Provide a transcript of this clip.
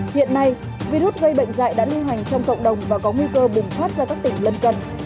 hiện nay virus gây bệnh dạy đã lưu hành trong cộng đồng và có nguy cơ bùng phát ra các tỉnh lân cận